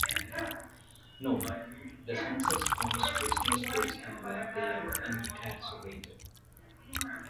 Note: The census counts prisoners based on where they are incarcerated.